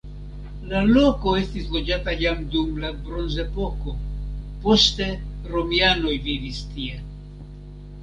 La loko estis loĝata jam dum la bronzepoko, poste romianoj vivis tie.